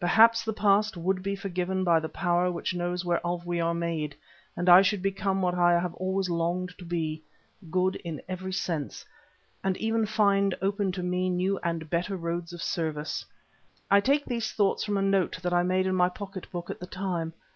Perhaps there the past would be forgiven by the Power which knows whereof we are made, and I should become what I have always longed to be good in every sense and even find open to me new and better roads of service. I take these thoughts from a note that I made in my pocket book at the time.